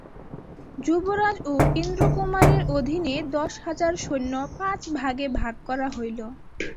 যুবরাজ ও ইন্দ্রকুমারের অধীনে দশ হাজার সৈন্য পাঁচ ভাগে ভাগ করা হইল।